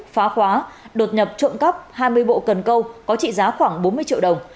phá khóa đột nhập trộm cắp hai mươi bộ cần câu có trị giá khoảng bốn mươi triệu đồng